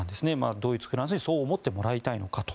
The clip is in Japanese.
ドイツ、フランスにそう思ってもらいたいのかと。